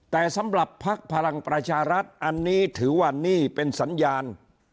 แต่สำหรับภักดิ์พลังประชารัฐอันนี้ถือว่านี่เป็นสัญญาณ